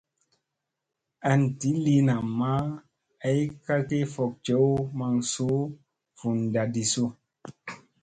An di lii namma ay ka ki fok jew maŋ suu vun da ɗisu.